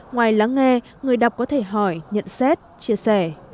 ngoài lắng nghe người đọc có thể hỏi nhận xét chia sẻ